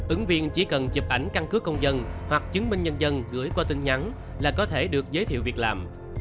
ứng viên chỉ cần chụp ảnh căn cứ công dân hoặc chứng minh nhân dân gửi qua tin nhắn là có thể được giới thiệu việc làm